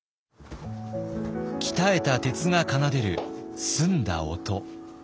鍛えた鉄が奏でる澄んだ音。